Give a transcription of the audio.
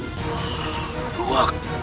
kau tidak bisa menang